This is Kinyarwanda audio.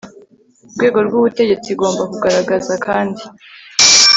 rwego rw ubutegetsi igomba kugaragaza kandi